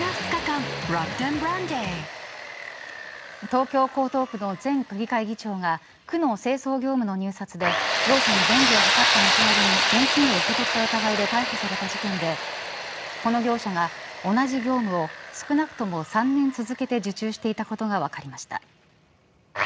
東京、江東区の前区議会議長が区の清掃業務の入札で業者に便宜を図った見返りに現金を受け取った疑いで逮捕された事件でこの業者が同じ業務を少なくとも３年続けて受注していたことが分かりました。